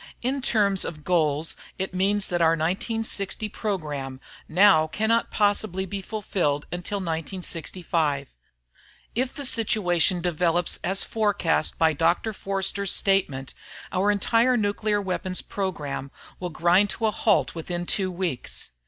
"In terms of goals, it means that our 1960 program now cannot possibly be fulfilled until 1965. If the situation develops as forecast in Dr. Forster's statement, our entire nuclear weapons program will grind to a halt within two weeks.